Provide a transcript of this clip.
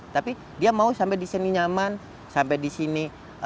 tapi dia mau sampai di sini nyaman sampai di sini